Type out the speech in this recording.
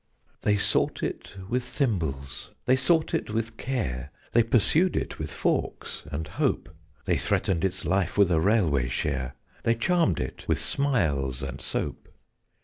_ They sought it with thimbles, they sought it with care; They pursued it with forks and hope; They threatened its life with a railway share; They charmed it with smiles and soap.